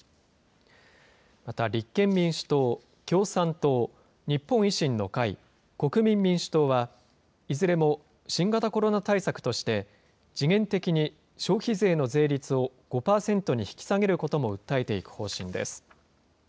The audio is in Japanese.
また立憲民主党、共産党、日本維新の会、国民民主党は、いずれも新型コロナ対策として、時限的に消費税の税率を５％に引き下げることも訴えていく方針です。